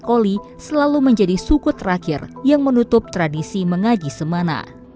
dan koli selalu menjadi suku terakhir yang menutup tradisi mengaji semana